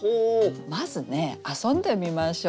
まずね遊んでみましょう。